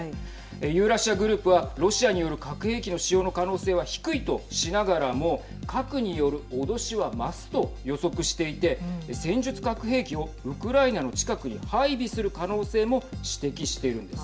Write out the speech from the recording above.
ユーラシア・グループはロシアによる核兵器の使用の可能性は低いとしながらも核による脅しは増すと予測していて戦術核兵器をウクライナの近くに配備する可能性も指摘しているんです。